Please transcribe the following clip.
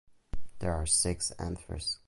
There are six anthers.